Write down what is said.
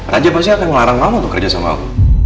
raja pasti akan ngelarang kamu kerja sama aku